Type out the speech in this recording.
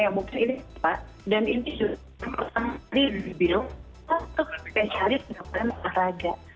dan ini juga terutama dari bil untuk spesialis kedokteran olahraga